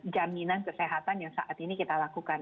jaminan kesehatan yang saat ini kita lakukan